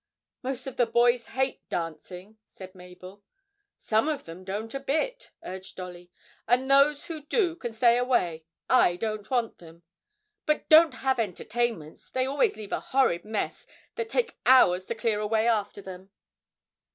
'Most of the boys hate dancing,' said Mabel. 'Some of them don't a bit,' urged Dolly, 'and those who do can stay away; I don't want them. But don't have entertainments; they always leave a horrid mess that takes hours to clear away after them.'